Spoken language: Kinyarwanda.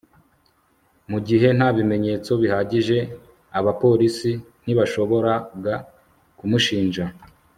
mu gihe nta bimenyetso bihagije, abapolisi ntibashoboraga kumushinja